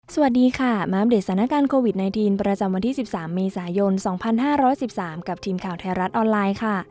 สวัสดีค่ะมาอัปเดตสถานการณ์โควิด๑๙ประจำวันที่๑๓เมษายน๒๕๑๓กับทีมข่าวไทยรัฐออนไลน์ค่ะ